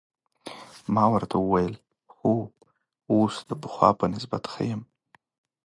ما ورته وویل: هو، اوس د پخوا په نسبت ښه یم.